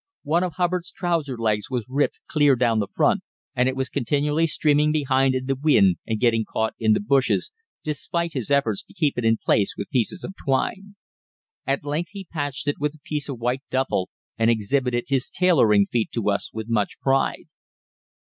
One of Hubbard's trousers legs was ripped clear down the front, and it was continually streaming behind in the wind and getting caught in the bushes, despite his efforts to keep it in place with pieces of twine. At length he patched it with a piece of white duffel, and exhibited his tailoring feat to us with much pride.